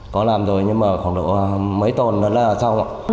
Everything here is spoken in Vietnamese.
có làm rồi nhưng mà khoảng độ mấy tuần là xong rồi